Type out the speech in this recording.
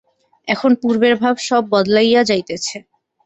এখন পূর্বের ভাব সব বদলাইয়া যাইতেছে।